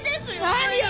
何よ！